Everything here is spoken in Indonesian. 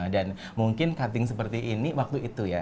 dan mungkin cutting seperti ini waktu itu ya